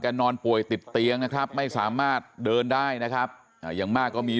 นอนป่วยติดเตียงนะครับไม่สามารถเดินได้นะครับอย่างมากก็มี